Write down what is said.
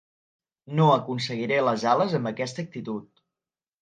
No aconseguiré les ales amb aquesta actitud.